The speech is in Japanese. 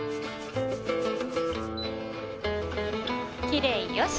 きれいよし！